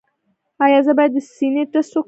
ایا زه باید د سینې ټسټ وکړم؟